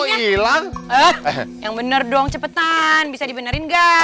kok hilang eh yang bener dong cepetan bisa dibenerin gak